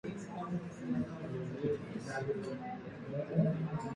Ashbee had his name added to the cup for a second time.